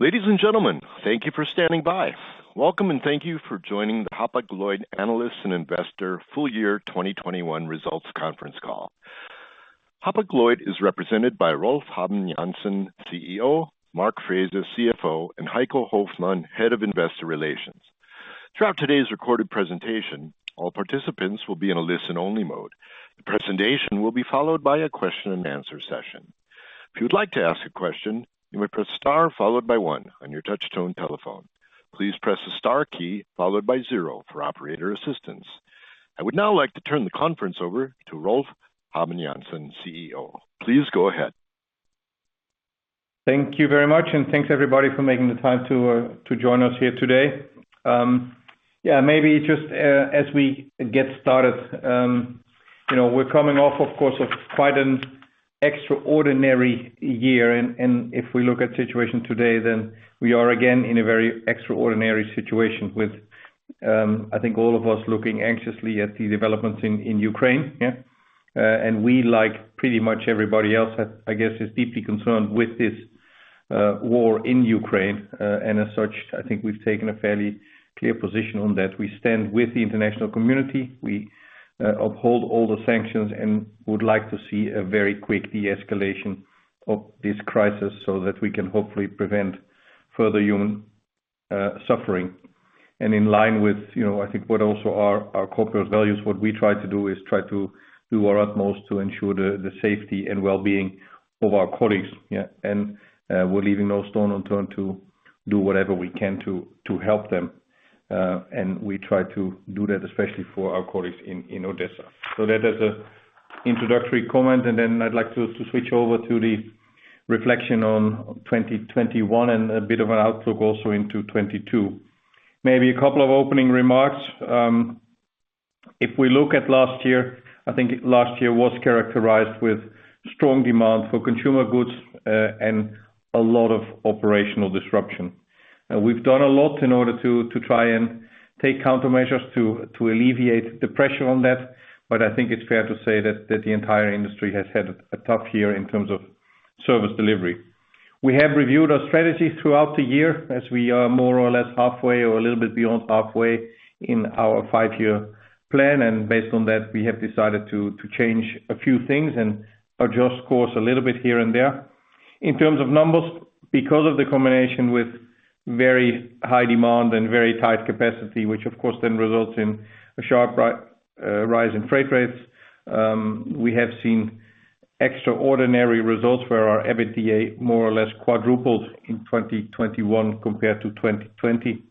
Ladies and gentlemen, thank you for standing by. Welcome and thank you for joining the Hapag-Lloyd Analysts and Investor Full Year 2021 Results Conference Call. Hapag-Lloyd is represented by Rolf Habben Jansen, CEO, Mark Frese, CFO, and Heiko Hoffmann, Head of Investor Relations. Throughout today's recorded presentation, all participants will be in a listen-only mode. The presentation will be followed by a question and answer session. If you'd like to ask a question, you may press star followed by one on your touch-tone telephone. Please press the star key followed by zero for operator assistance. I would now like to turn the conference over to Rolf Habben Jansen, CEO. Please go ahead. Thank you very much, and thanks everybody for making the time to join us here today. Yeah, maybe just as we get started, you know, we're coming off, of course, of quite an extraordinary year. If we look at situation today, then we are again in a very extraordinary situation with, I think all of us looking anxiously at the developments in Ukraine. We, like pretty much everybody else, I guess, is deeply concerned with this war in Ukraine. As such, I think we've taken a fairly clear position on that. We stand with the international community. We uphold all the sanctions and would like to see a very quick de-escalation of this crisis so that we can hopefully prevent further human suffering. In line with, you know, I think what also our corporate values, what we try to do is try to do our utmost to ensure the safety and well-being of our colleagues. We're leaving no stone unturned to do whatever we can to help them. We try to do that especially for our colleagues in Odessa. That is an introductory comment, and then I'd like to switch over to the reflection on 2021 and a bit of an outlook also into 2022. Maybe a couple of opening remarks. If we look at last year, I think last year was characterized with strong demand for consumer goods, and a lot of operational disruption. We've done a lot in order to try and take countermeasures to alleviate the pressure on that. I think it's fair to say that the entire industry has had a tough year in terms of service delivery. We have reviewed our strategy throughout the year as we are more or less halfway or a little bit beyond halfway in our five-year plan. Based on that, we have decided to change a few things and adjust course a little bit here and there. In terms of numbers, because of the combination with very high demand and very tight capacity, which of course then results in a sharp rise in freight rates, we have seen extraordinary results where our EBITDA more or less quadrupled in 2021 compared to 2020.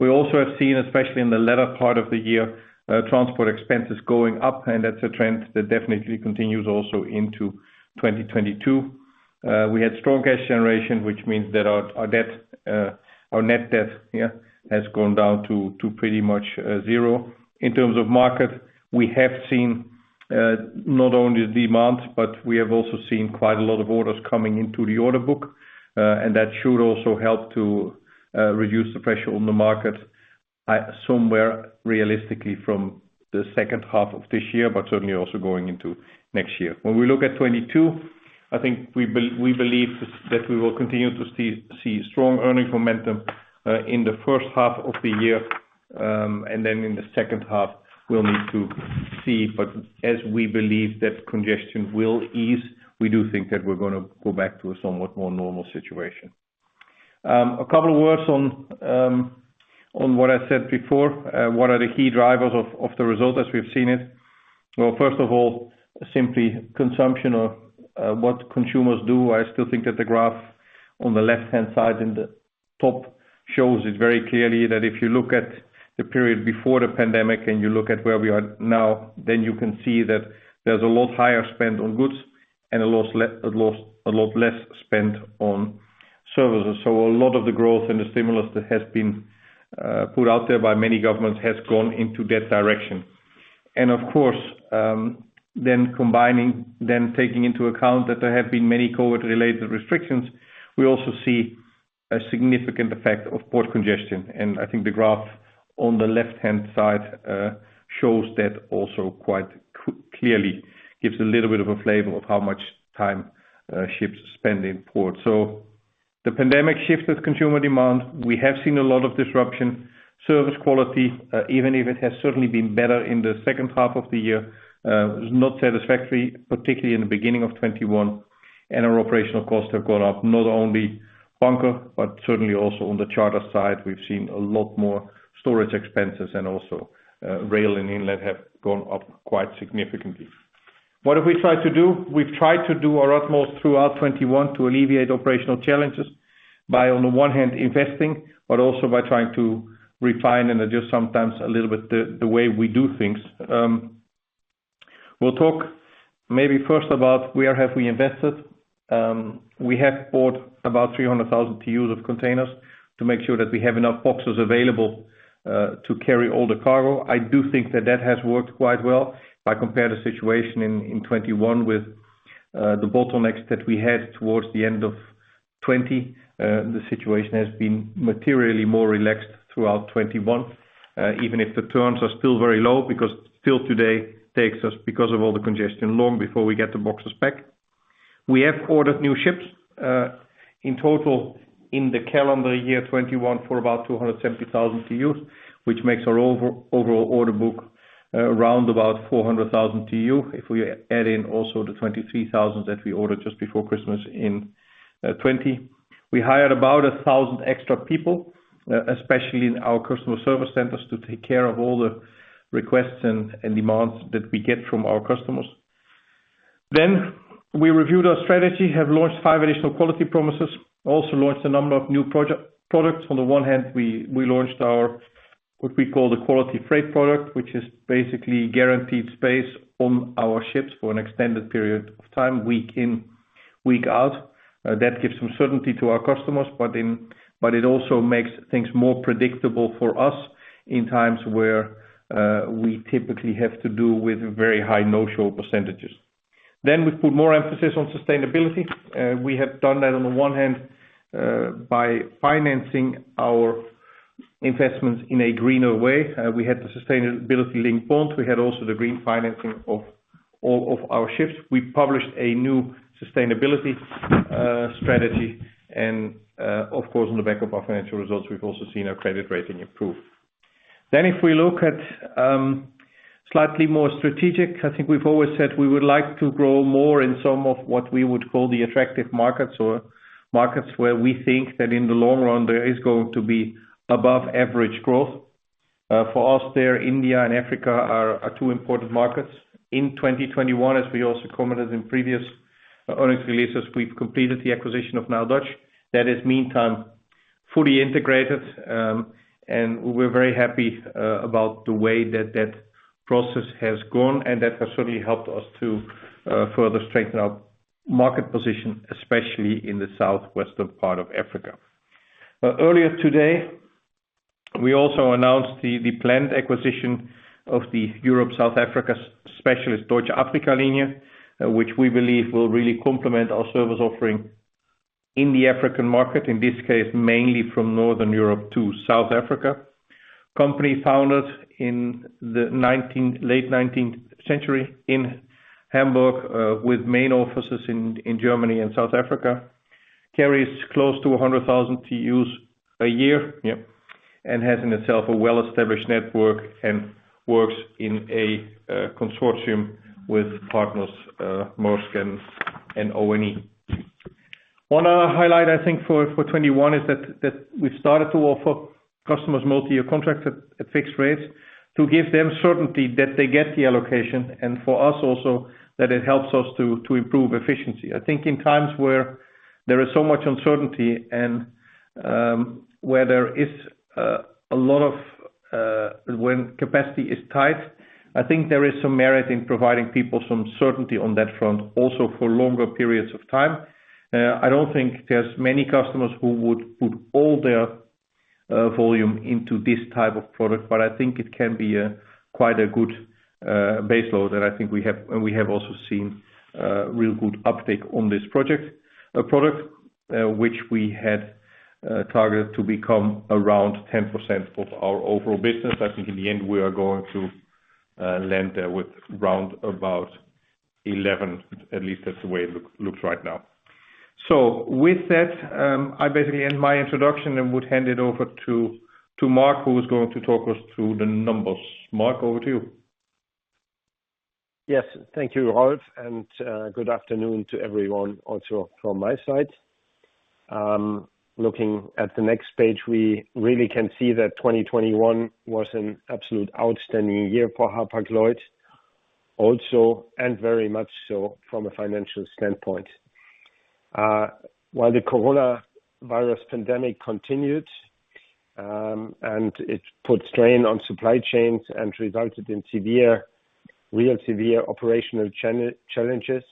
We also have seen, especially in the latter part of the year, transport expenses going up, and that's a trend that definitely continues also into 2022. We had strong cash generation, which means that our debt, our net debt, has gone down to pretty much zero. In terms of market, we have seen not only demand, but we have also seen quite a lot of orders coming into the order book. That should also help to reduce the pressure on the market at somewhere realistically from the second half of this year, but certainly also going into next year. When we look at 2022, I think we believe that we will continue to see strong earnings momentum in the first half of the year. Then in the second half, we'll need to see. As we believe that congestion will ease, we do think that we're gonna go back to a somewhat more normal situation. A couple of words on what I said before. What are the key drivers of the result as we've seen it? Well, first of all, simply consumption of what consumers do. I still think that the graph on the left-hand side in the top shows it very clearly that if you look at the period before the pandemic and you look at where we are now, then you can see that there's a lot higher spend on goods and a lot less spend on services. A lot of the growth and the stimulus that has been put out there by many governments has gone into that direction. Of course, taking into account that there have been many COVID-related restrictions, we also see a significant effect of port congestion. I think the graph on the left-hand side shows that also quite clearly, gives a little bit of a flavor of how much time ships spend in port. The pandemic shifted consumer demand. We have seen a lot of disruption. Service quality, even if it has certainly been better in the second half of the year, was not satisfactory, particularly in the beginning of 2021. Our operational costs have gone up, not only bunker, but certainly also on the charter side. We've seen a lot more storage expenses and also, rail and inland have gone up quite significantly. What have we tried to do? We've tried to do our utmost throughout 2021 to alleviate operational challenges by, on the one hand, investing, but also by trying to refine and adjust sometimes a little bit the way we do things. We'll talk maybe first about where have we invested. We have bought about 300,000 TUs of containers to make sure that we have enough boxes available, to carry all the cargo. I do think that has worked quite well. If I compare the situation in 2021 with the bottlenecks that we had towards the end of 2020, the situation has been materially more relaxed throughout 2021. Even if the turns are still very low, because still today takes us, because of all the congestion long before we get the boxes back. We have ordered new ships, in total in the calendar year 2021 for about 270,000 TUs, which makes our overall order book, around about 400,000 TU. If we add in also the 23,000 that we ordered just before Christmas in 2020. We hired about 1,000 extra people, especially in our customer service centers, to take care of all the requests and demands that we get from our customers. We reviewed our strategy, have launched 5 additional quality promises. Also launched a number of new products. On the one hand, we launched our, what we call the Quality Freight Product. Which is basically guaranteed space on our ships for an extended period of time, week in, week out. That gives some certainty to our customers, but it also makes things more predictable for us in times where we typically have to do with very high no-show percentages. We put more emphasis on sustainability. We have done that on the one hand by financing our investments in a greener way. We had the sustainability-linked bond. We had also the green financing of all of our ships. We published a new sustainability strategy. Of course, on the back of our financial results, we've also seen our credit rating improve. If we look at slightly more strategic, I think we've always said we would like to grow more in some of what we would call the attractive markets or markets where we think that in the long run there is going to be above average growth. For us there, India and Africa are two important markets. In 2021, as we also commented in previous earnings releases, we've completed the acquisition of NileDutch. That is meantime fully integrated, and we're very happy about the way that process has gone, and that has certainly helped us to further strengthen our market position, especially in the southwestern part of Africa. Earlier today, we also announced the planned acquisition of the Europe South Africa specialist, Deutsche Afrika-Linien, which we believe will really complement our service offering in the African market, in this case, mainly from Northern Europe to South Africa. Company founded in the late nineteenth century in Hamburg, with main offices in Germany and South Africa. Carries close to 100,000 TEUs a year. Has in itself a well-established network and works in a consortium with partners, Maersk and ONE. One highlight, I think for 2021 is that we started to offer customers multi-year contracts at fixed rates to give them certainty that they get the allocation, and for us also that it helps us to improve efficiency. I think in times where there is so much uncertainty and when capacity is tight, I think there is some merit in providing people some certainty on that front also for longer periods of time. I don't think there's many customers who would put all their volume into this type of product, but I think it can be quite a good base load. I think we have also seen real good uptake on this product, which we had targeted to become around 10% of our overall business. I think in the end we are going to land there with round about 11%, at least that's the way it looks right now. With that, I basically end my introduction and would hand it over to Mark, who is going to talk us through the numbers. Mark, over to you. Yes. Thank you, Rolf, and good afternoon to everyone also from my side. Looking at the next page, we really can see that 2021 was an absolute outstanding year for Hapag-Lloyd also, and very much so from a financial standpoint. While the coronavirus pandemic continued, and it put strain on supply chains and resulted in severe, real severe operational challenges,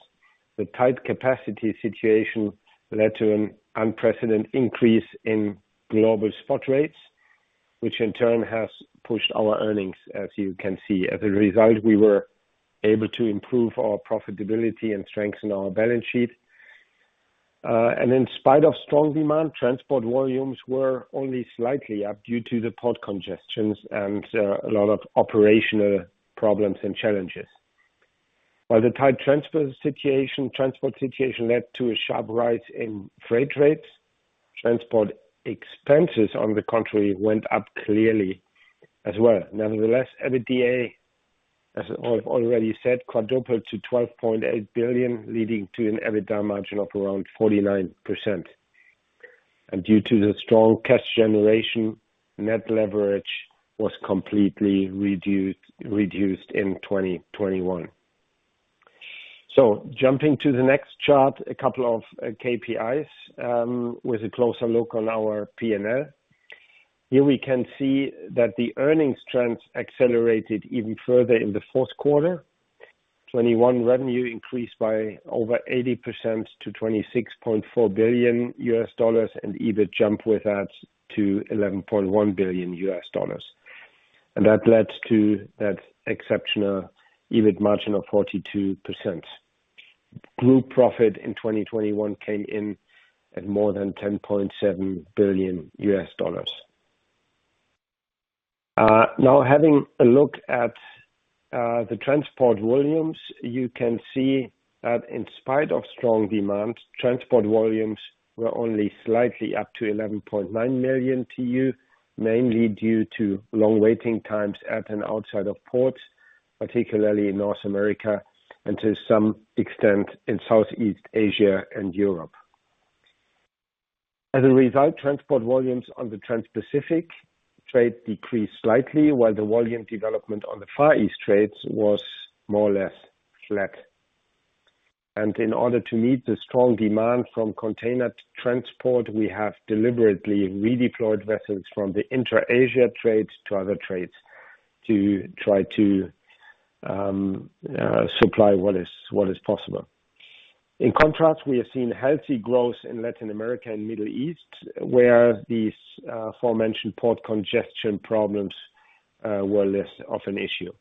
the tight capacity situation led to an unprecedented increase in global spot rates, which in turn has pushed our earnings, as you can see. As a result, we were able to improve our profitability and strengthen our balance sheet. In spite of strong demand, transport volumes were only slightly up due to the port congestions and a lot of operational problems and challenges. While the tight transport situation led to a sharp rise in freight rates, transport expenses on the contrary went up clearly as well. Nevertheless, EBITDA, as I've already said, quadrupled to $12.8 billion, leading to an EBITDA margin of around 49%. Due to the strong cash generation, net leverage was completely reduced in 2021. Jumping to the next chart, a couple of KPIs with a closer look on our P&L. Here we can see that the earnings trends accelerated even further in the fourth quarter 2021 revenue increased by over 80% to $26.4 billion, and EBIT jumped with that to $11.1 billion. That led to that exceptional EBIT margin of 42%. Group profit in 2021 came in at more than $10.7 billion. Now having a look at the transport volumes, you can see that in spite of strong demand, transport volumes were only slightly up to 11.9 million TU, mainly due to long waiting times at and outside of ports, particularly in North America and to some extent in Southeast Asia and Europe. As a result, transport volumes on the Transpacific trade decreased slightly, while the volume development on the Far East trades was more or less flat. In order to meet the strong demand from container transport, we have deliberately redeployed vessels from the Inter Asia trades to other trades to try to supply what is possible. In contrast, we have seen healthy growth in Latin America and Middle East, where these aforementioned port congestion problems were less of an issue.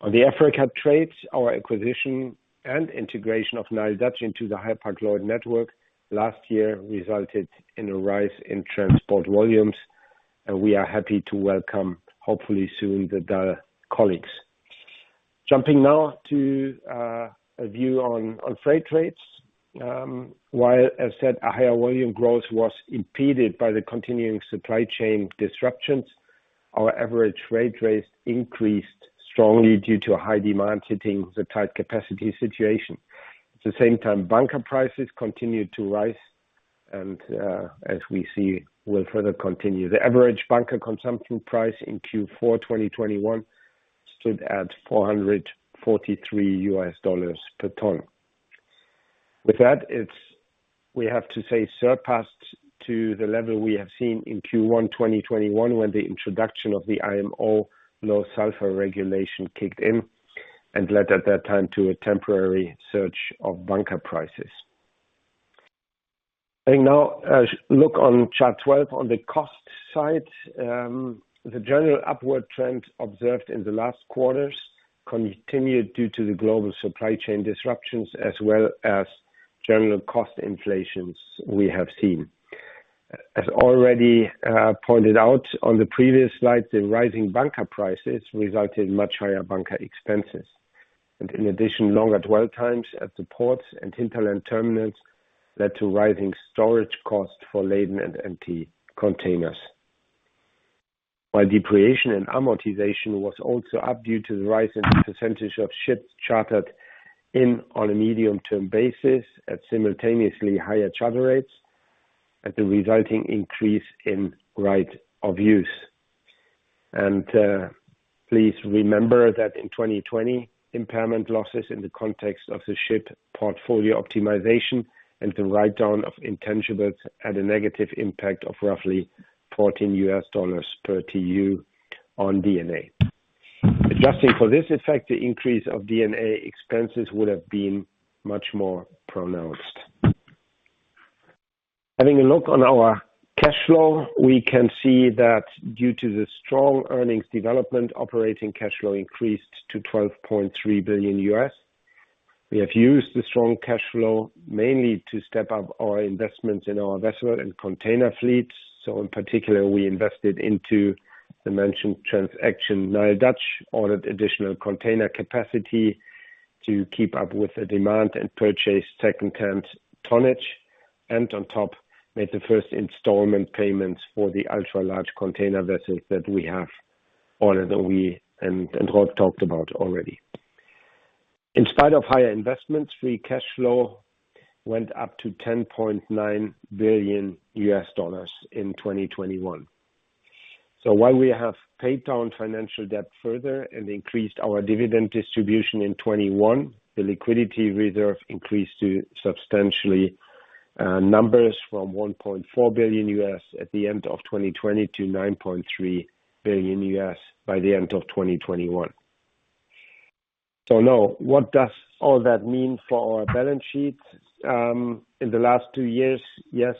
On the Africa trades, our acquisition and integration of NileDutch into the Hapag-Lloyd network last year resulted in a rise in transport volumes, and we are happy to welcome, hopefully soon, the DAL colleagues. Jumping now to a view on freight rates. While as said, a higher volume growth was impeded by the continuing supply chain disruptions, our average freight rates increased strongly due to a high demand hitting the tight capacity situation. At the same time, bunker prices continued to rise and, as we see, will further continue. The average bunker consumption price in Q4 2021 stood at $443 per ton. With that, it's We have to say it has surpassed the level we have seen in Q1 2021 when the introduction of the IMO low-sulfur regulation kicked in and led at that time to a temporary surge of bunker prices. Taking now a look at chart 12. On the cost side, the general upward trend observed in the last quarters continued due to the global supply chain disruptions as well as general cost inflation we have seen. As already pointed out on the previous slide, the rising bunker prices resulted in much higher bunker expenses. In addition, longer dwell times at the ports and hinterland terminals led to rising storage costs for laden and empty containers. While depreciation and amortization was also up due to the rise in percentage of ships chartered in on a medium-term basis at simultaneously higher charter rates and the resulting increase in right of use. Please remember that in 2020, impairment losses in the context of the ship portfolio optimization and the write-down of intangibles had a negative impact of roughly $14 per TU on D&A. Adjusting for this effect, the increase of D&A expenses would have been much more pronounced. Having a look at our cash flow, we can see that due to the strong earnings development, operating cash flow increased to $12.3 billion. We have used the strong cash flow mainly to step up our investments in our vessel and container fleets. In particular, we invested into the mentioned transaction, NileDutch, ordered additional container capacity to keep up with the demand and purchase second-hand tonnage. On top, made the first installment payments for the ultra-large container vessels that we have ordered, and Rolf talked about already. In spite of higher investments, free cash flow went up to $10.9 billion in 2021. While we have paid down financial debt further and increased our dividend distribution in 2021, the liquidity reserve increased to substantial numbers from $1.4 billion at the end of 2020 to $9.3 billion by the end of 2021. Now, what does all that mean for our balance sheet? In the last two years, yes,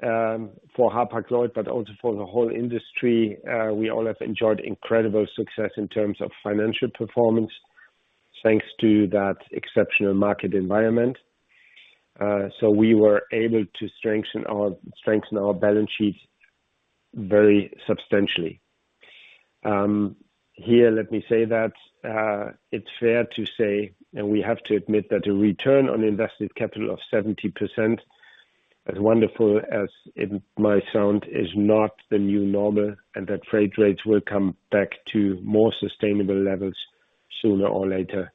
for Hapag-Lloyd, but also for the whole industry, we all have enjoyed incredible success in terms of financial performance, thanks to that exceptional market environment. We were able to strengthen our balance sheet very substantially. Here, let me say that, it's fair to say, and we have to admit, that a return on invested capital of 70%, as wonderful as it might sound, is not the new normal, and that freight rates will come back to more sustainable levels sooner or later.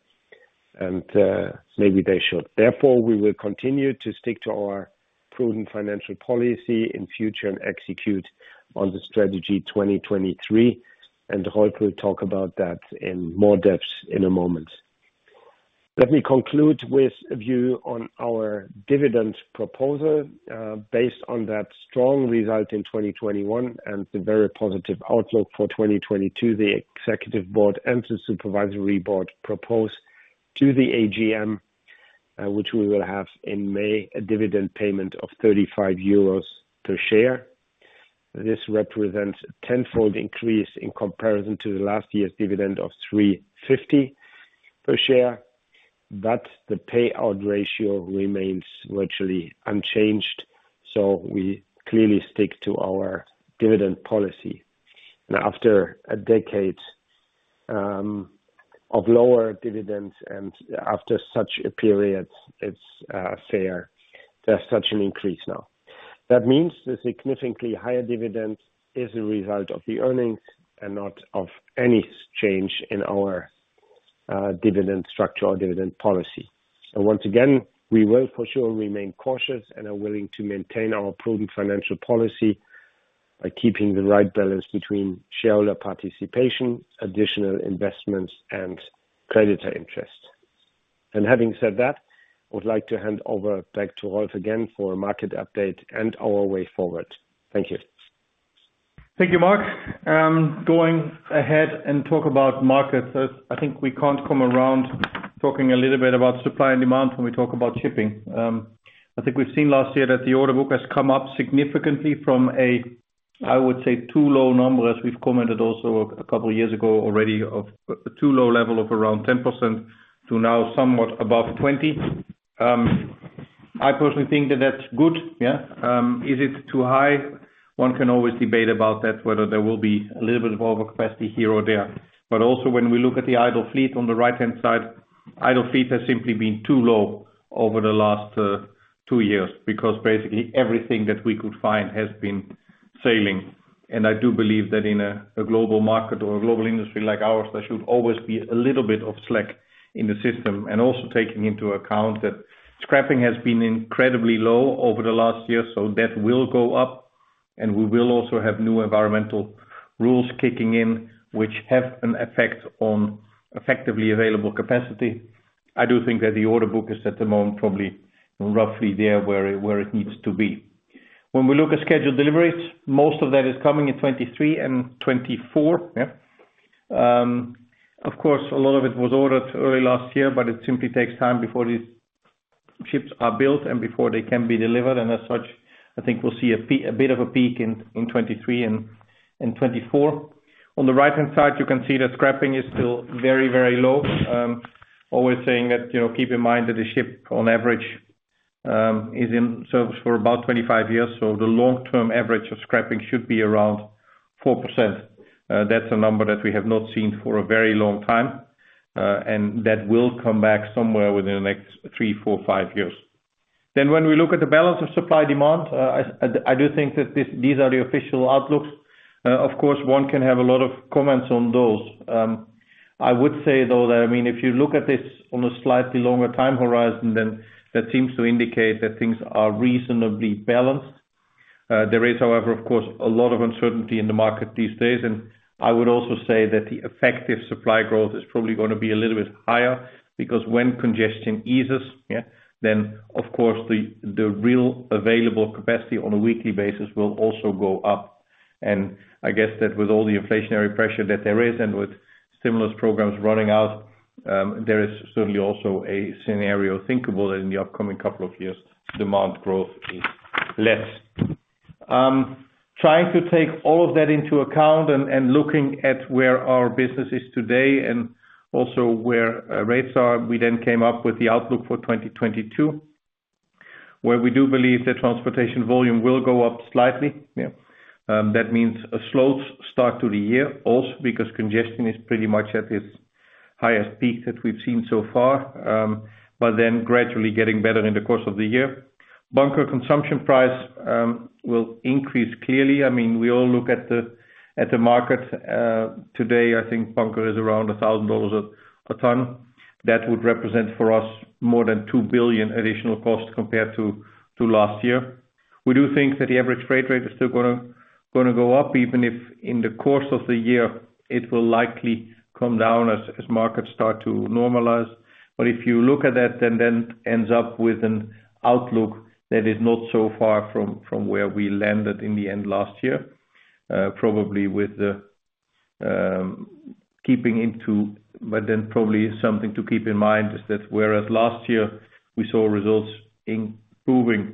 Maybe they should. Therefore, we will continue to stick to our prudent financial policy in future and execute on the strategy 2023. Rolf will talk about that in more depth in a moment. Let me conclude with a view on our dividend proposal. Based on that strong result in 2021 and the very positive outlook for 2022, the executive board and the supervisory board proposed to the AGM, which we will have in May, a dividend payment of 35 euros per share. This represents a tenfold increase in comparison to the last year's dividend of 3.50 per share, but the payout ratio remains virtually unchanged, so we clearly stick to our dividend policy. After a decade of lower dividends and after such a period, it's fair there's such an increase now. That means the significantly higher dividend is a result of the earnings and not of any change in our dividend structure or dividend policy. Once again, we will for sure remain cautious and are willing to maintain our prudent financial policy by keeping the right balance between shareholder participation, additional investments, and creditor interest. Having said that, I would like to hand over back to Rolf again for a market update and our way forward. Thank you. Thank you, Mark. Going ahead and talk about markets, I think we can't come around talking a little bit about supply and demand when we talk about shipping. I think we've seen last year that the order book has come up significantly from a, I would say, too low number, as we've commented also a couple of years ago already of a too low level of around 10% to now somewhat above 20%. I personally think that that's good. Is it too high? One can always debate about that, whether there will be a little bit of overcapacity here or there. Also when we look at the idle fleet on the right-hand side, idle fleet has simply been too low over the last 2 years because basically everything that we could find has been sailing. I do believe that in a global market or a global industry like ours, there should always be a little bit of slack in the system. Also taking into account that scrapping has been incredibly low over the last year, so that will go up. We will also have new environmental rules kicking in, which have an effect on effectively available capacity. I do think that the order book is at the moment probably roughly there where it needs to be. When we look at scheduled deliveries, most of that is coming in 2023 and 2024, yeah. Of course, a lot of it was ordered early last year, but it simply takes time before these ships are built and before they can be delivered. As such, I think we'll see a bit of a peak in 2023 and 2024. On the right-hand side, you can see that scrapping is still very, very low. Always saying that, you know, keep in mind that a ship on average is in service for about 25 years, so the long-term average of scrapping should be around 4%. That's a number that we have not seen for a very long time, and that will come back somewhere within the next three, four, five years. When we look at the balance of supply-demand, I do think that these are the official outlooks. Of course, one can have a lot of comments on those. I would say, though, that, I mean, if you look at this on a slightly longer time horizon, then that seems to indicate that things are reasonably balanced. There is, however, of course, a lot of uncertainty in the market these days. I would also say that the effective supply growth is probably gonna be a little bit higher because when congestion eases, yeah, then, of course, the real available capacity on a weekly basis will also go up. I guess that with all the inflationary pressure that there is and with stimulus programs running out, there is certainly also a scenario thinkable that in the upcoming couple of years, demand growth is less. Trying to take all of that into account and looking at where our business is today and also where rates are, we then came up with the outlook for 2022, where we do believe the transportation volume will go up slightly, yeah. That means a slow start to the year, also because congestion is pretty much at its highest peak that we've seen so far, but then gradually getting better in the course of the year. Bunker consumption price will increase clearly. I mean, we all look at the market. Today, I think bunker is around $1,000 a ton. That would represent for us more than $2 billion additional costs compared to last year. We do think that the average freight rate is still gonna go up, even if in the course of the year, it will likely come down as markets start to normalize. If you look at that, then that ends up with an outlook that is not so far from where we landed in the end last year. Probably something to keep in mind is that whereas last year we saw results improving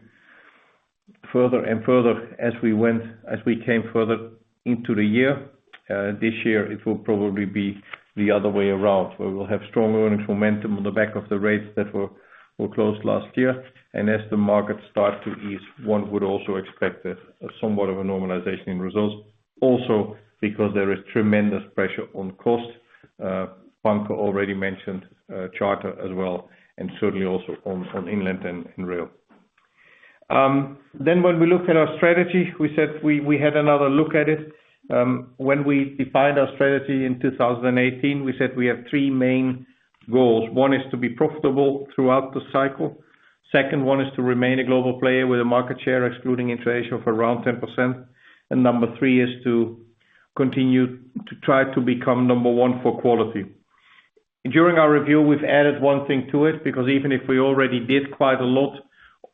further and further as we went, as we came further into the year, this year it will probably be the other way around, where we'll have stronger earnings momentum on the back of the rates that were closed last year. As the markets start to ease, one would also expect that somewhat of a normalization in results also because there is tremendous pressure on costs, bunker already mentioned, charter as well, and certainly also on inland and rail. When we look at our strategy, we said we had another look at it. When we defined our strategy in 2018, we said we have three main goals. One is to be profitable throughout the cycle. Second one is to remain a global player with a market share excluding inflation of around 10%. Number three is to continue to try to become number one for quality. During our review, we've added one thing to it, because even if we already did quite a lot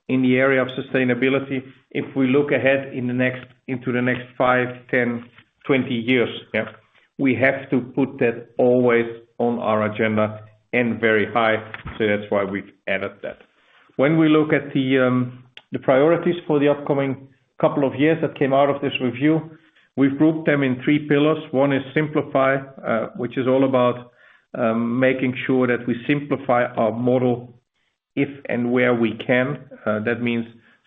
in the area of sustainability, if we look ahead into the next five, 10, 20 years, we have to put that always on our agenda and very high. That's why we've added that. When we look at the priorities for the upcoming couple of years that came out of this review, we've grouped them in three pillars. One is simplify, which is all about making sure that we simplify our model if and where we can. That means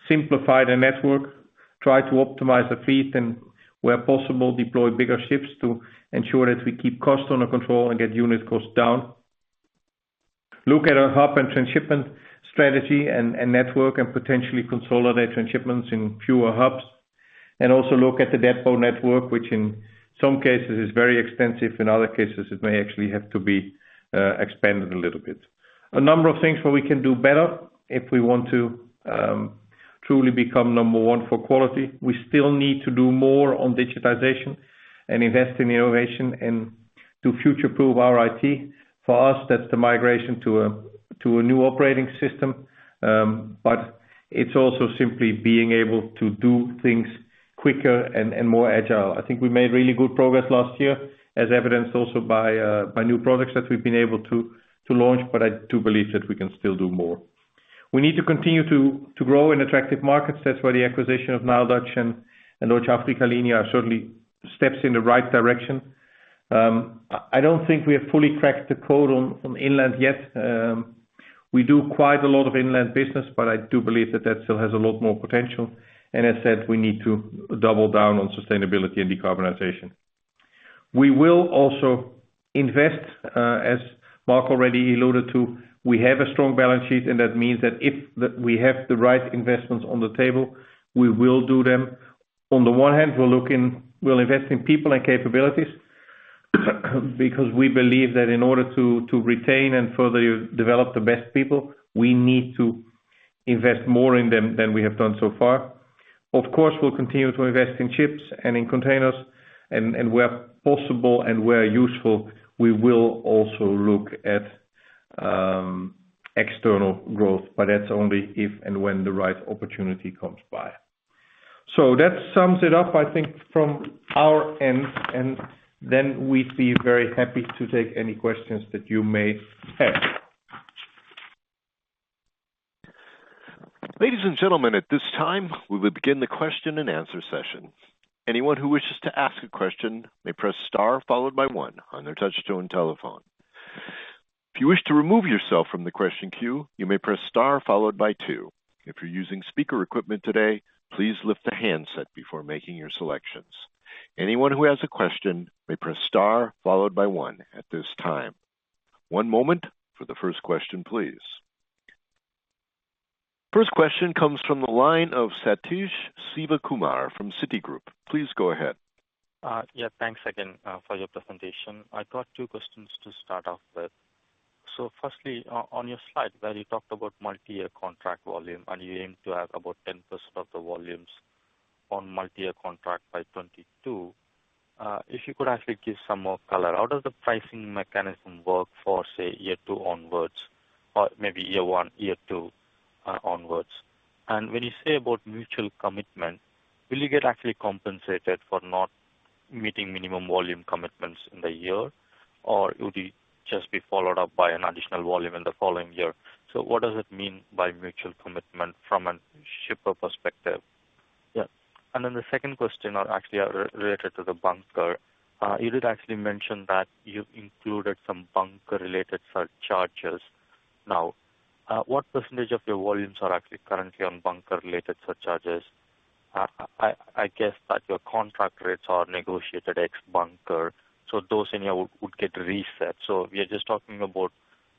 simplify the network, try to optimize the fleet, and where possible, deploy bigger ships to ensure that we keep costs under control and get unit costs down, look at our hub and transshipment strategy and network, and potentially consolidate transshipments in fewer hubs. Also look at the depot network, which in some cases is very expensive. In other cases, it may actually have to be expanded a little bit. A number of things where we can do better if we want to truly become number one for quality. We still need to do more on digitization and invest in innovation and to future-proof our IT. For us, that's the migration to a new operating system. But it's also simply being able to do things quicker and more agile. I think we made really good progress last year, as evidenced also by new products that we've been able to launch, but I do believe that we can still do more. We need to continue to grow in attractive markets. That's where the acquisition of NileDutch and Deutsche Afrika-Linien are certainly steps in the right direction. I don't think we have fully cracked the code on inland yet. We do quite a lot of inland business, but I do believe that still has a lot more potential. As said, we need to double down on sustainability and decarbonization. We will also invest, as Mark already alluded to. We have a strong balance sheet, and that means that if we have the right investments on the table, we will do them. On the one hand, we'll invest in people and capabilities, because we believe that in order to retain and further develop the best people, we need to invest more in them than we have done so far. Of course, we'll continue to invest in ships and in containers and where possible and where useful, we will also look at external growth, but that's only if and when the right opportunity comes by. That sums it up, I think, from our end, and then we'd be very happy to take any questions that you may have. Ladies and gentlemen, at this time, we will begin the question and answer session. Anyone who wishes to ask a question may press star followed by one on their touch-tone telephone. If you wish to remove yourself from the question queue, you may press star followed by two. If you're using speaker equipment today, please lift the handset before making your selections. Anyone who has a question may press star followed by one at this time. One moment for the first question, please. First question comes from the line of Sathish Sivakumar from Citigroup. Please go ahead. Yeah, thanks again for your presentation. I got two questions to start off with. Firstly, on your slide where you talked about multi-year contract volume, and you aim to have about 10% of the volumes on multi-year contract by 2022. If you could actually give some more color, how does the pricing mechanism work for, say, year two onwards, or maybe year one, year two onwards? When you say about mutual commitment, will you get actually compensated for not meeting minimum volume commitments in the year? Or would it just be followed up by an additional volume in the following year? What does it mean by mutual commitment from a shipper perspective? Yeah. Then the second question is actually related to the bunker. You did actually mention that you included some bunker related surcharges. Now, what percentage of your volumes are actually currently on bunker related surcharges? I guess that your contract rates are negotiated ex bunker, so those in here would get reset. We are just talking about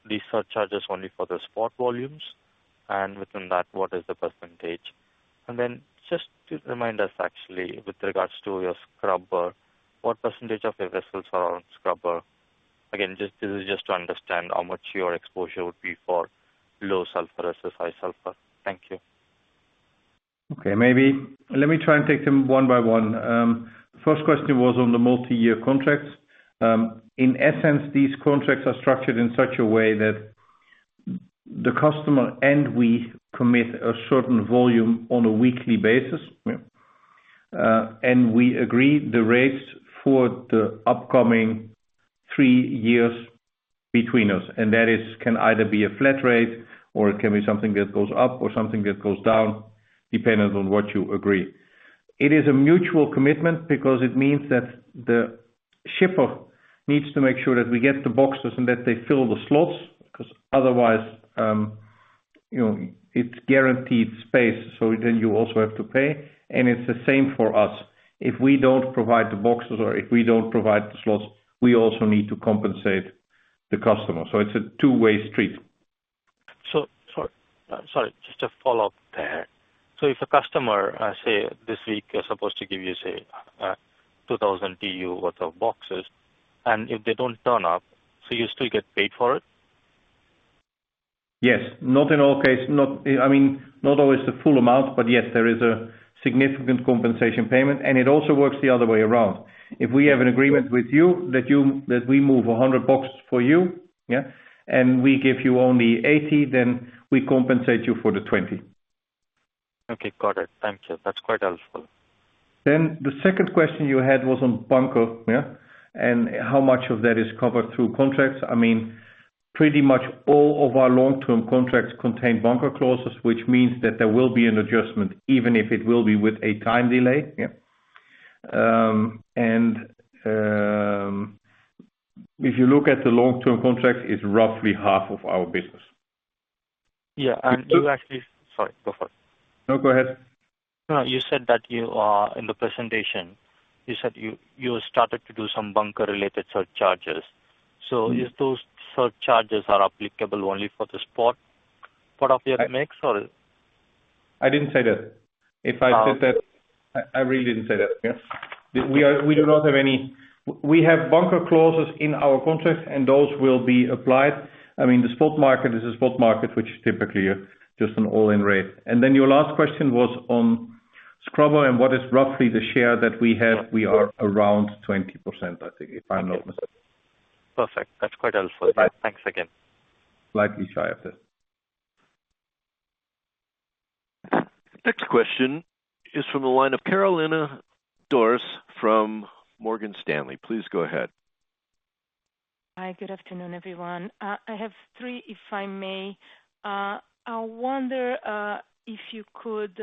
these surcharges only for the spot volumes. Within that, what is the percentage? Then just to remind us actually with regards to your scrubber, what percentage of your vessels are on scrubber? Again, this is just to understand how much your exposure would be for low sulfur versus high sulfur. Thank you. Okay. Maybe let me try and take them one by one. First question was on the multi-year contracts. In essence, these contracts are structured in such a way that the customer and we commit a certain volume on a weekly basis. We agree the rates for the upcoming three years between us, and that is, can either be a flat rate or it can be something that goes up or something that goes down dependent on what you agree. It is a mutual commitment because it means that the shipper needs to make sure that we get the boxes and that they fill the slots, 'cause otherwise, you know, it's guaranteed space, so then you also have to pay. It's the same for us. If we don't provide the boxes or if we don't provide the slots, we also need to compensate the customer. It's a two-way street. Sorry, just to follow up there. If a customer, say this week, is supposed to give you, say, 2,000 TEU worth of boxes, and if they don't turn up, you still get paid for it? Yes. Not in all cases. I mean, not always the full amount, but yes, there is a significant compensation payment. It also works the other way around. If we have an agreement with you that we move 100 boxes for you, yeah, and we give you only 80, then we compensate you for the 20. Okay. Got it. Thanks. That's quite helpful. The second question you had was on bunker. How much of that is covered through contracts? I mean, pretty much all of our long term contracts contain bunker clauses, which means that there will be an adjustment, even if it will be with a time delay. If you look at the long term contracts, it's roughly half of our business. Yeah. Sorry, go for it. No, go ahead. No. You said that in the presentation you started to do some bunker related surcharges. If those surcharges are applicable only for the spot part of your mix or? I didn't say that. If I said that, I really didn't say that. Yeah. We have bunker clauses in our contracts, and those will be applied. I mean, the spot market is a spot market, which is typically just an all-in rate. Then your last question was on scrubber and what is roughly the share that we have. We are around 20%, I think, if I'm not mistaken. Perfect. That's quite helpful. Bye. Thanks again. Slightly shy of that. Next question is from the line of Carolina Dores from Morgan Stanley. Please go ahead. Hi. Good afternoon, everyone. I have three, if I may. I wonder if you could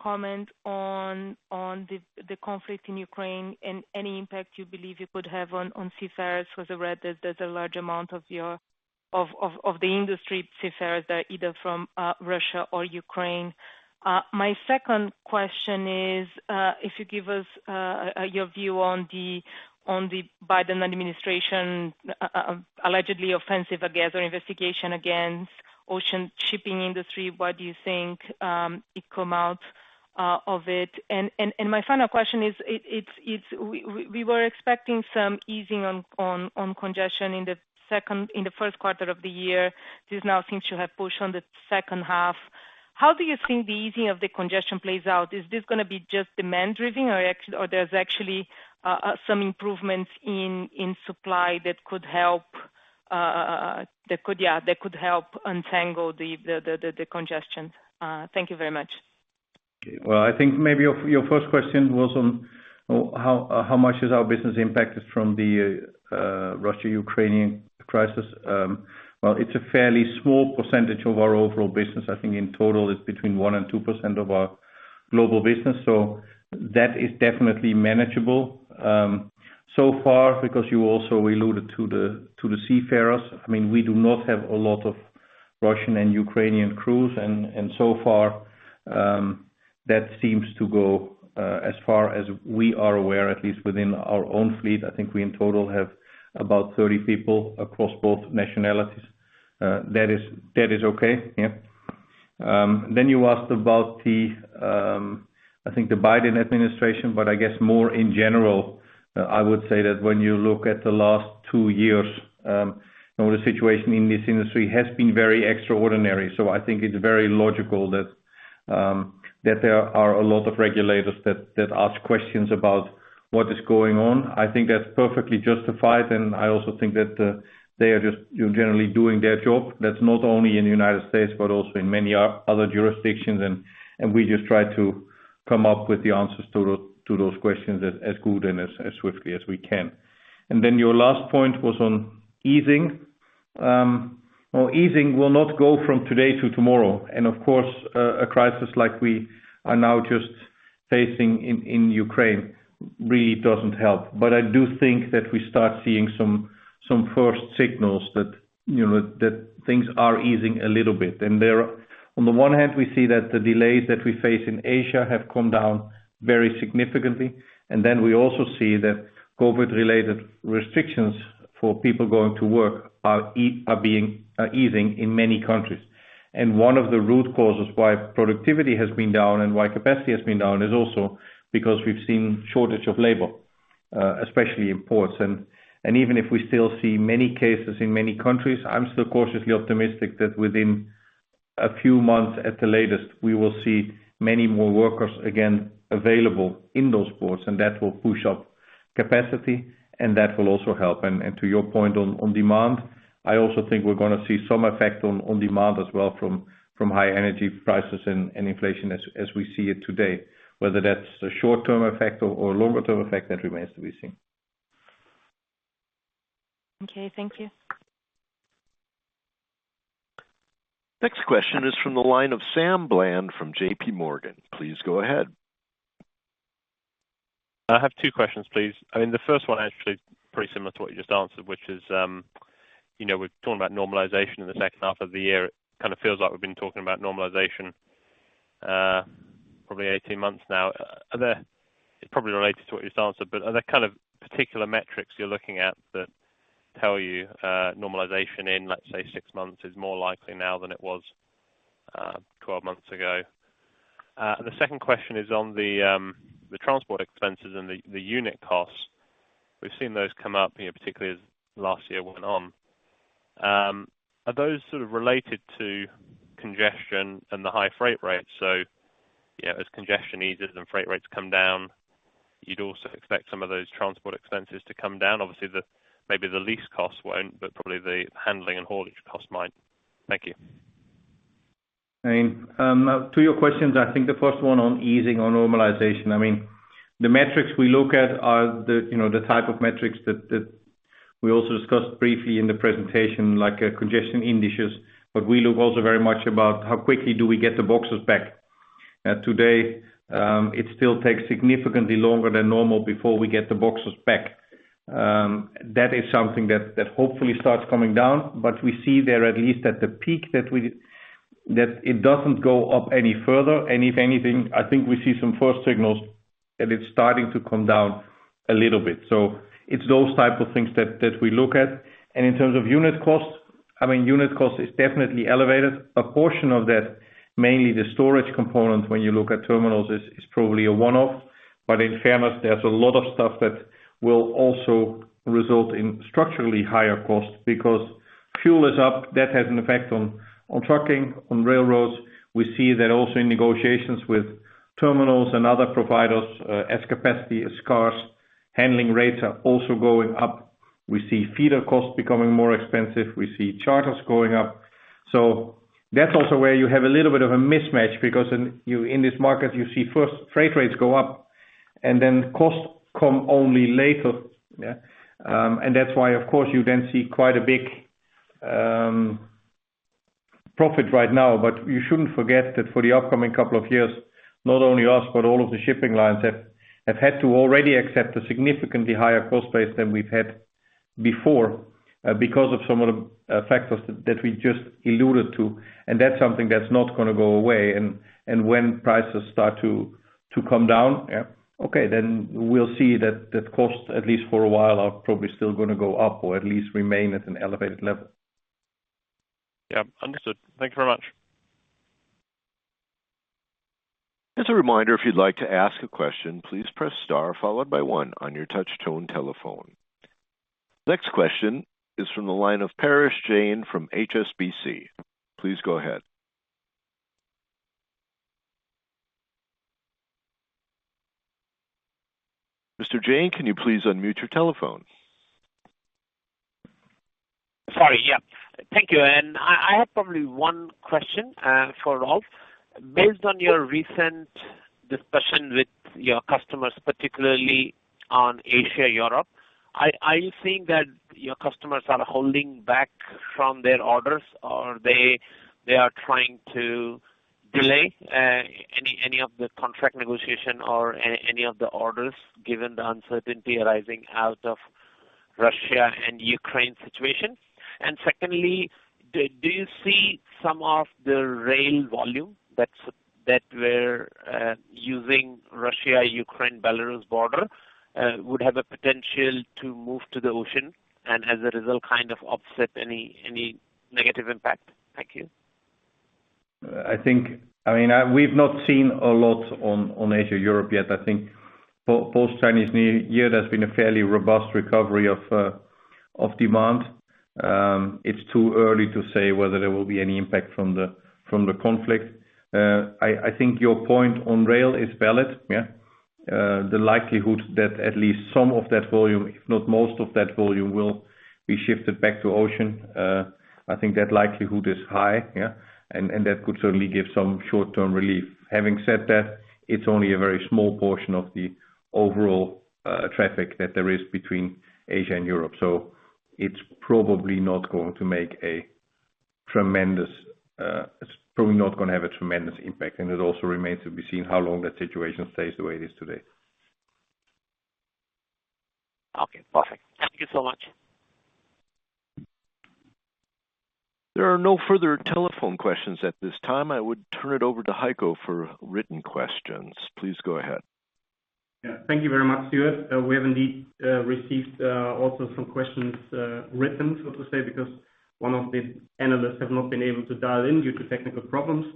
comment on the conflict in Ukraine and any impact you believe it would have on seafarers. Because I read that there's a large amount of the industry seafarers are either from Russia or Ukraine. My second question is, if you give us your view on the Biden administration allegedly offensive against, or investigation against ocean shipping industry. What do you think it come out of it? My final question is, it's we were expecting some easing on congestion in the first quarter of the year. This now seems to have pushed on the second half. How do you think the easing of the congestion plays out? Is this gonna be just demand driven or there's actually some improvements in supply that could help untangle the congestion? Thank you very much. Well, I think maybe your first question was on how much is our business impacted from the Russia-Ukrainian crisis. Well, it's a fairly small percentage of our overall business. I think in total it's between 1% and 2% of our global business. That is definitely manageable so far, because you also alluded to the seafarers. I mean, we do not have a lot of Russian and Ukrainian crews. So far that seems to go as far as we are aware, at least within our own fleet. I think we in total have about 30 people across both nationalities. That is okay. Yeah. You asked about, I think, the Biden administration, but I guess more in general. I would say that when you look at the last two years, the situation in this industry has been very extraordinary. I think it's very logical that there are a lot of regulators that ask questions about what is going on. I think that's perfectly justified, and I also think that they are just generally doing their job. That's not only in the United States, but also in many other jurisdictions. We just try to come up with the answers to those questions as good and as swiftly as we can. Your last point was on easing. Well, easing will not go from today to tomorrow. Of course, a crisis like we are now just facing in Ukraine really doesn't help. I do think that we start seeing some first signals that, you know, that things are easing a little bit. There, on the one hand, we see that the delays that we face in Asia have come down very significantly. Then we also see that COVID related restrictions for people going to work are easing in many countries. One of the root causes why productivity has been down and why capacity has been down is also because we've seen shortage of labor, especially in ports. Even if we still see many cases in many countries, I'm still cautiously optimistic that within a few months at the latest, we will see many more workers again available in those ports, and that will push up capacity, and that will also help. To your point on demand, I also think we're gonna see some effect on demand as well from high energy prices and inflation as we see it today. Whether that's a short-term effect or longer term effect, that remains to be seen. Okay, thank you. Next question is from the line of Sam Bland from JP Morgan. Please go ahead. I have two questions, please. I mean, the first one actually pretty similar to what you just answered, which is, you know, we're talking about normalization in the second half of the year. It kinda feels like we've been talking about normalization, probably 18 months now. Are there particular metrics you're looking at that tell you, normalization in, let's say, six months is more likely now than it was, 12 months ago? The second question is on the transport expenses and the unit costs. We've seen those come up, you know, particularly as last year went on. Are those sort of related to congestion and the high freight rates? You know, as congestion eases and freight rates come down. You'd also expect some of those transport expenses to come down. Obviously, the, maybe the lease costs won't, but probably the handling and haulage costs might. Thank you. I mean, to your questions, I think the first one on easing or normalization, I mean, the metrics we look at are the, you know, the type of metrics that we also discussed briefly in the presentation, like, congestion indices. We look also very much about how quickly do we get the boxes back. Today, it still takes significantly longer than normal before we get the boxes back. That is something that hopefully starts coming down, but we see there, at least at the peak, that it doesn't go up any further. If anything, I think we see some first signals that it's starting to come down a little bit. It's those type of things that we look at. In terms of unit costs, I mean, unit cost is definitely elevated. A portion of that, mainly the storage component when you look at terminals is probably a one-off. In fairness, there's a lot of stuff that will also result in structurally higher costs because fuel is up. That has an effect on trucking, on railroads. We see that also in negotiations with terminals and other providers, as capacity is scarce, handling rates are also going up. We see feeder costs becoming more expensive. We see charters going up. That's also where you have a little bit of a mismatch because in this market, you see first freight rates go up and then costs come only later. Yeah. That's why, of course, you then see quite a big profit right now. You shouldn't forget that for the upcoming couple of years, not only us, but all of the shipping lines have had to already accept a significantly higher cost base than we've had before, because of some of the factors that we just alluded to. That's something that's not gonna go away. When prices start to come down, yeah, okay, then we'll see that costs, at least for a while, are probably still gonna go up or at least remain at an elevated level. Yeah. Understood. Thank you very much. As a reminder, if you'd like to ask a question, please press star followed by one on your touch tone telephone. Next question is from the line of Parash Jain from HSBC. Please go ahead. Mr. Jain, can you please unmute your telephone? Sorry. Yeah. Thank you. I have probably one question for Rolf. Based on your recent discussion with your customers, particularly on Asia/Europe, are you seeing that your customers are holding back from their orders? Or they are trying to delay any of the contract negotiation or any of the orders given the uncertainty arising out of Russia and Ukraine situation? Secondly, do you see some of the rail volume that were using Russia, Ukraine, Belarus border would have a potential to move to the ocean and as a result, kind of offset any negative impact? Thank you. We've not seen a lot on Asia/Europe yet. I think post Chinese New Year, there's been a fairly robust recovery of demand. It's too early to say whether there will be any impact from the conflict. I think your point on rail is valid. Yeah. The likelihood that at least some of that volume, if not most of that volume, will be shifted back to ocean, I think that likelihood is high. Yeah. And that could certainly give some short-term relief. Having said that, it's only a very small portion of the overall traffic that there is between Asia and Europe, so it's probably not going to make a tremendous impact. It also remains to be seen how long that situation stays the way it is today. Okay. Perfect. Thank you so much. There are no further telephone questions at this time. I would turn it over to Heiko for written questions. Please go ahead. Yeah. Thank you very much, Stuart. We have indeed received also some questions written, so to say, because one of the analysts have not been able to dial in due to technical problems,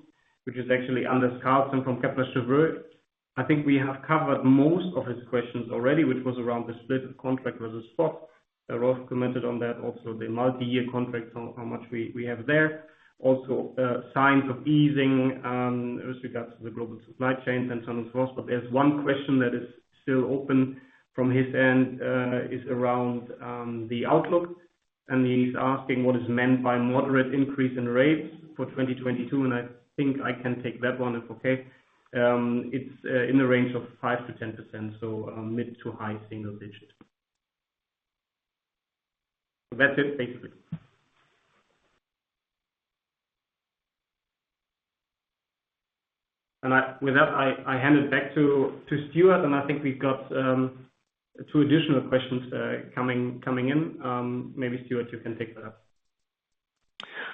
which is actually Anders Karlsen from Kepler Cheuvreux. I think we have covered most of his questions already, which was around the split contract versus spot. Rolf commented on that. Also, the multi-year contract, on how much we have there. Also, signs of easing with regards to the global supply chain and so on, so forth. There's one question that is still open from his end, is around the outlook, and he's asking, what is meant by moderate increase in rates for 2022? I think I can take that one, if okay. It's in the range of 5%-10%, so mid- to high-single digits. That's it, basically. With that, I hand it back to Stuart, and I think we've got two additional questions coming in. Maybe Stuart, you can take that.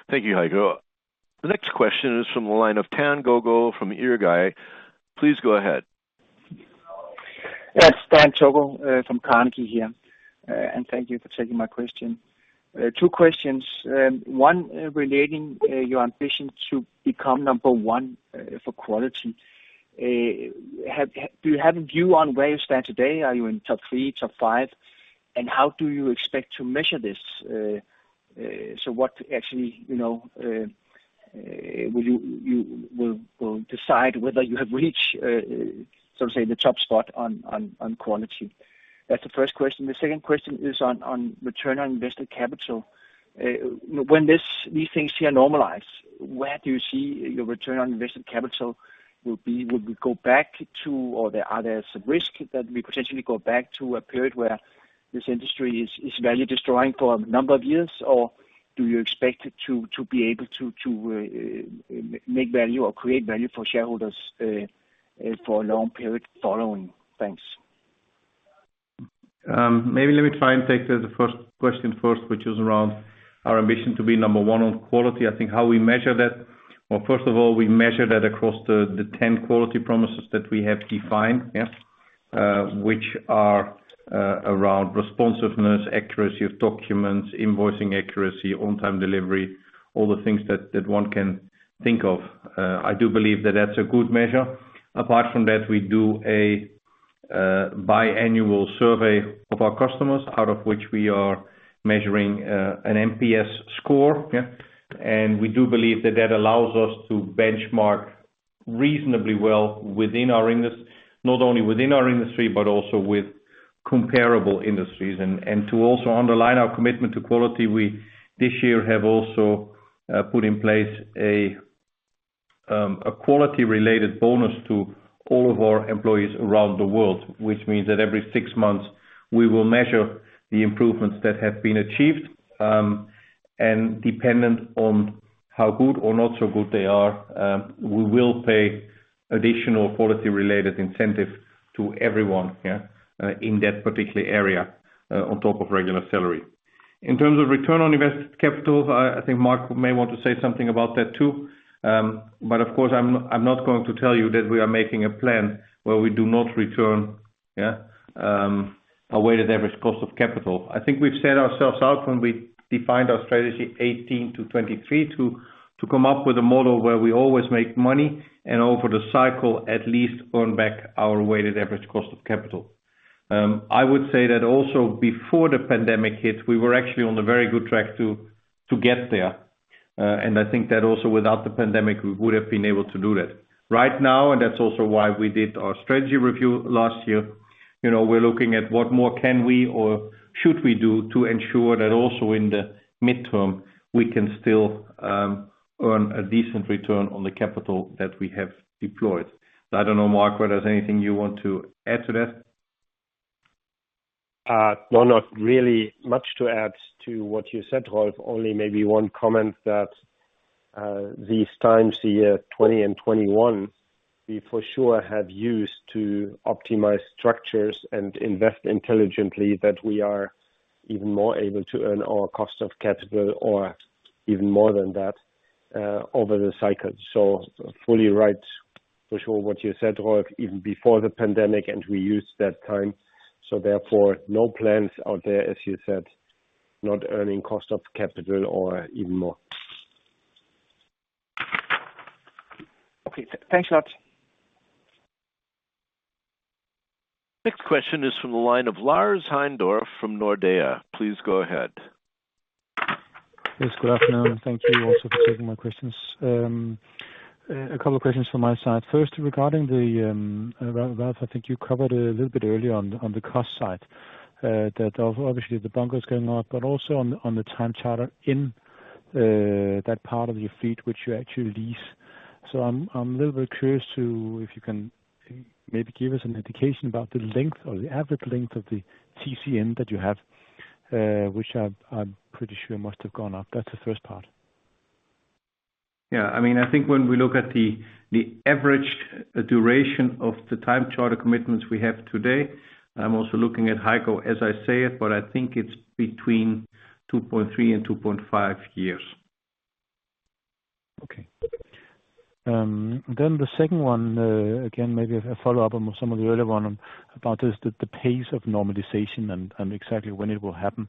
Thank you, Heiko. The next question is from the line of Dan Togo Jensen. Please go ahead. Yes. Dan Togo Jensen from Carnegie here. Thank you for taking my question. Two questions. One, relating your ambition to become number one for quality. Do you have a view on where you stand today? Are you in top three, top five? And how do you expect to measure this? So what actually, you know Will you decide whether you have reached so say the top spot on quality? That's the first question. The second question is on return on invested capital. When these things here normalize, where do you see your return on invested capital will be? Will it go back to, or are there some risks that we potentially go back to a period where this industry is value destroying for a number of years? Or do you expect it to make value or create value for shareholders for a long period following? Thanks. Maybe let me try and take the first question first, which is around our ambition to be number one on quality. I think how we measure that. Well, first of all, we measure that across the 10 quality promises that we have defined. Which are around responsiveness, accuracy of documents, invoicing accuracy, on-time delivery, all the things that one can think of. I do believe that that's a good measure. Apart from that, we do a biannual survey of our customers out of which we are measuring an NPS score. We do believe that that allows us to benchmark reasonably well, not only within our industry, but also with comparable industries. To also underline our commitment to quality, we this year have also put in place a quality related bonus to all of our employees around the world, which means that every six months we will measure the improvements that have been achieved. Dependent on how good or not so good they are, we will pay additional quality related incentive to everyone in that particular area on top of regular salary. In terms of return on invested capital, I think Mark may want to say something about that too. Of course, I'm not going to tell you that we are making a plan where we do not return a weighted average cost of capital. I think we've set ourselves out when we defined our strategy 18-23, to come up with a model where we always make money and over the cycle at least earn back our weighted average cost of capital. I would say that also before the pandemic hit, we were actually on a very good track to get there. I think that also without the pandemic, we would have been able to do that. Right now, that's also why we did our strategy review last year. You know, we're looking at what more can we or should we do to ensure that also in the midterm, we can still earn a decent return on the capital that we have deployed. I don't know, Mark, whether there's anything you want to add to that. No, not really much to add to what you said, Rolf. Only maybe one comment that, these times, the years 2020 and 2021, we for sure have used to optimize structures and invest intelligently that we are even more able to earn our cost of capital or even more than that, over the cycle. Fully right for sure what you said, Rolf, even before the pandemic, and we used that time, so therefore, no plans out there, as you said, not earning cost of capital or even more. Okay. Thanks a lot. Next question is from the line of Lars Heindorff from Nordea. Please go ahead. Yes, good afternoon, and thank you also for taking my questions. A couple of questions from my side. First, regarding the Rolf, I think you covered a little bit earlier on the cost side that obviously the bunker is going up, but also on the time charter in that part of your fleet which you actually lease. I'm a little bit curious to if you can maybe give us an indication about the length or the average length of the TC-in that you have, which I'm pretty sure must have gone up. That's the first part. Yeah. I mean, I think when we look at the average duration of the time charter commitments we have today, I'm also looking at Heiko as I say it, but I think it's between 2.3 and 2.5 years. Okay. The second one, again, maybe a follow-up on some of the earlier one about the pace of normalization and exactly when it will happen.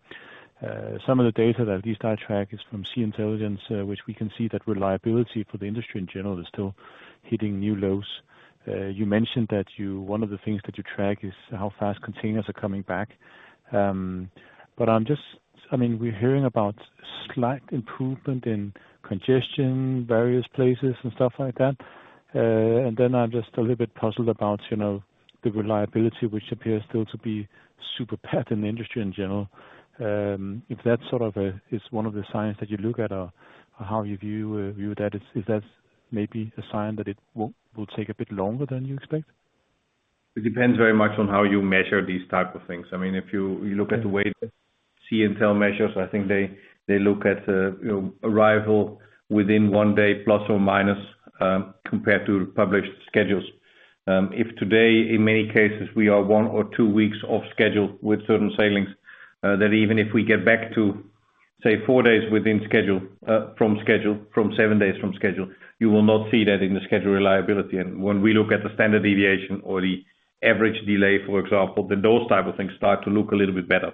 Some of the DAL that at least I track is from Sea-Intelligence, which we can see that reliability for the industry in general is still hitting new lows. You mentioned that one of the things that you track is how fast containers are coming back. I'm just, I mean, we're hearing about slight improvement in congestion, various places and stuff like that. I'm just a little bit puzzled about, you know, the reliability, which appears still to be super bad in the industry in general. If that sort of is one of the signs that you look at or how you view that, is that maybe a sign that it will take a bit longer than you expect? It depends very much on how you measure these type of things. I mean, if you look at the way Sea-Intelligence measures, I think they look at, you know, arrival within one day, plus or minus, compared to published schedules. If today, in many cases, we are one or two weeks off schedule with certain sailings, then even if we get back to, say, four days within schedule, from seven days from schedule, you will not see that in the schedule reliability. When we look at the standard deviation or the average delay, for example, then those type of things start to look a little bit better,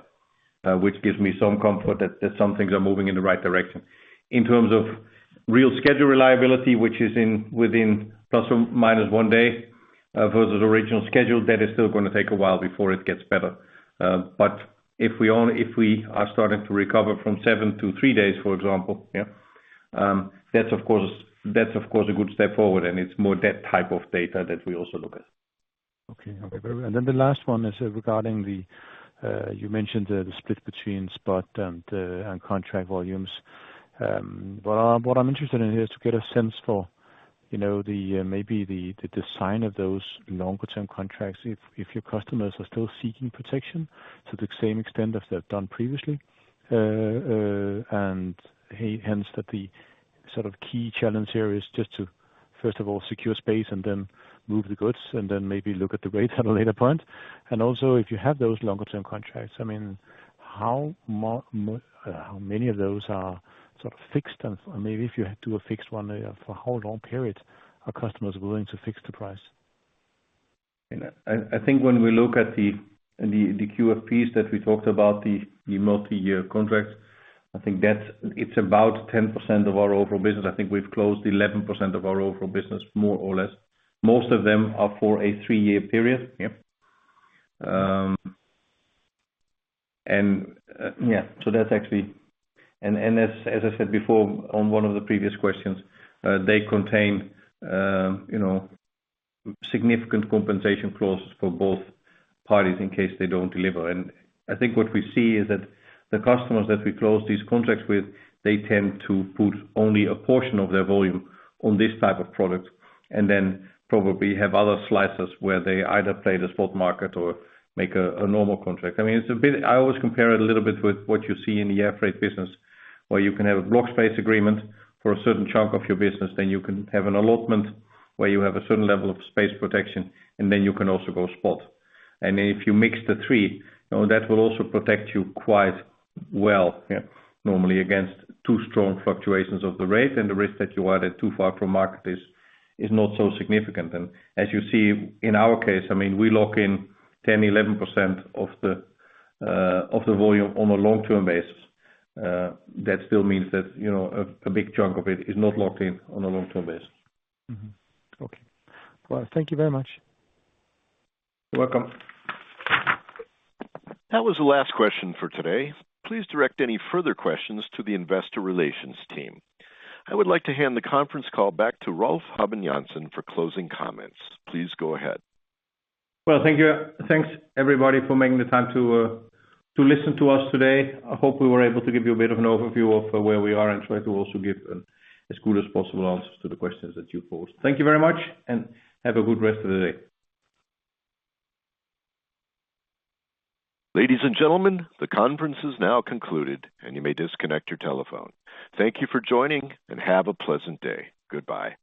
which gives me some comfort that some things are moving in the right direction. In terms of real schedule reliability, which is within plus or minus one day versus original schedule, that is still gonna take a while before it gets better. If we are starting to recover from seven-three days, for example, that's of course a good step forward, and it's more that type of DAL that we also look at. Okay. Okay. Very well. The last one is regarding the split you mentioned between spot and contract volumes. What I'm interested in here is to get a sense for, you know, maybe the design of those longer-term contracts if your customers are still seeking protection to the same extent as they've done previously. Hence the sort of key challenge here is just to first of all secure space and then move the goods and then maybe look at the rates at a later point. Also, if you have those longer-term contracts, I mean, how many of those are sort of fixed? Maybe if you do a fixed one, for how long period are customers willing to fix the price? I think when we look at the QFPs that we talked about, the multi-year contracts, I think that's about 10% of our overall business. I think we've closed 11% of our overall business, more or less. Most of them are for a three-year period. As I said before on one of the previous questions, they contain significant compensation clauses for both parties in case they don't deliver. I think what we see is that the customers that we close these contracts with, they tend to put only a portion of their volume on this type of product and then probably have other slices where they either play the spot market or make a normal contract. I mean, it's a bit. I always compare it a little bit with what you see in the air freight business, where you can have a block space agreement for a certain chunk of your business, then you can have an allotment where you have a certain level of space protection, and then you can also go spot. If you mix the three, you know, that will also protect you quite well, yeah, normally against too strong fluctuations of the rate and the risk that you are too far from market is not so significant. As you see in our case, I mean, we lock in 10%-11% of the volume on a long-term basis. That still means that, you know, a big chunk of it is not locked in on a long-term basis. Okay. Well, thank you very much. You're welcome. That was the last question for today. Please direct any further questions to the Investor Relations team. I would like to hand the conference call back to Rolf Habben Jansen for closing comments. Please go ahead. Well, thank you. Thanks everybody for making the time to listen to us today. I hope we were able to give you a bit of an overview of where we are and try to also give an as good as possible answers to the questions that you posed. Thank you very much and have a good rest of the day. Ladies and gentlemen, the conference is now concluded, and you may disconnect your telephone. Thank you for joining, and have a pleasant day. Goodbye.